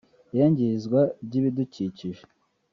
iyangizwa by’ibidukikije